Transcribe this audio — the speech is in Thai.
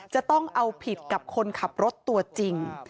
จะต้องเอาผิดกับคนขับรถตัวจริง